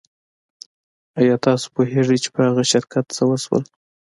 ایا تاسو پوهیږئ چې په هغه شرکت څه شول